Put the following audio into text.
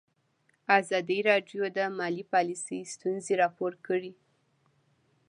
ازادي راډیو د مالي پالیسي ستونزې راپور کړي.